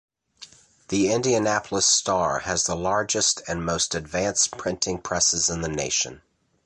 The "Indianapolis Star" has the largest and most advanced printing presses in the nation.